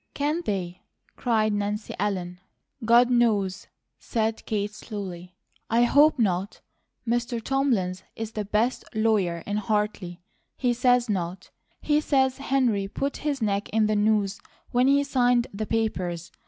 "Can they?" cried Nancy Ellen. "God knows!" said Kate, slowly. "I HOPE not. Mr. Thomlins is the best lawyer in Hartley; he says not. He says Henry put his neck in the noose when he signed the papers.